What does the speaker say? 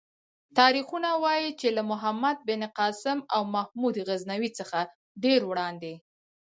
تاریخونه وايي چې له محمد بن قاسم او محمود غزنوي څخه ډېر وړاندې.